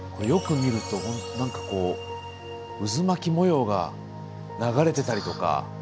よく見ると本当何かこう渦巻き模様が流れてたりとか。